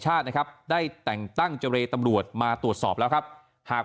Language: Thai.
ชาตินะครับได้แต่งตั้งเจรตำรวจมาตรวจสอบแล้วครับหาก